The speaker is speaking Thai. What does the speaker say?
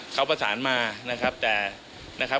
เขาประสานมานะครับแต่นะครับ